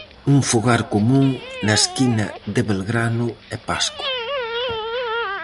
Un fogar común na esquina de Belgrano e Pasco.